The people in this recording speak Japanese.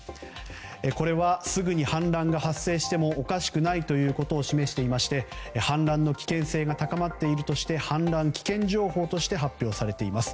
これは、すぐに氾濫が発生してもおかしくないことを示していまして氾濫の危険性が高まっているとして氾濫危険情報として発表されています。